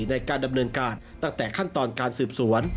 ในการดำเนินการตั้งแต่ขั้นตอนการสืบสวน